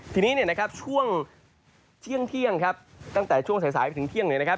ทีนี้เนี่ยนะครับช่วงเที่ยงครับตั้งแต่ช่วงสายสายไปถึงเที่ยงเนี่ยนะครับ